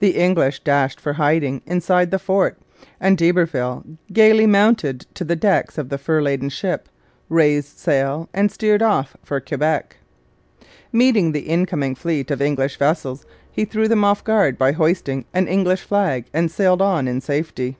The English dashed for hiding inside the fort, and d'Iberville gaily mounted to the decks of the fur laden ship, raised sail, and steered off for Quebec. Meeting the incoming fleet of English vessels, he threw them off guard by hoisting an English flag, and sailed on in safety.